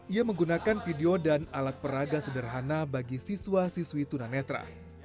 ia menggunakan video dan alat peraga sederhana bagi siswa siswi tunanetra